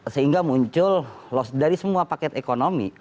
sehingga muncul dari semua paket ekonomi